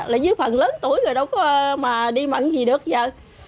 lại dưới phần lớn tuổi rồi đâu có mà đi mận gì được giờ